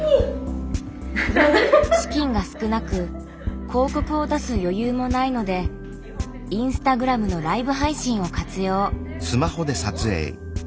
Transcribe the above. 資金が少なく広告を出す余裕もないのでインスタグラムのライブ配信を活用。